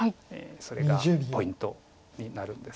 それがポイントになるんですが。